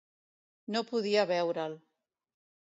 No podia veure'l.